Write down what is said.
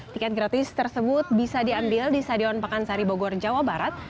tiket gratis tersebut bisa diambil di stadion pakansari bogor jawa barat